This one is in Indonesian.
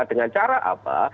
dengan cara apa